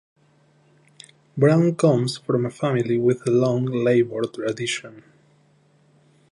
Brown comes from a family with a long Labor tradition.